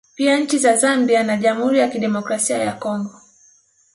Pia nchi za Zambia na Jamhuri ya Kidemokrasia ya Congo